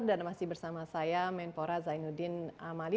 masih bersama saya menpora zainuddin amali